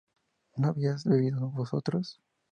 ¿no habíais bebido vosotros?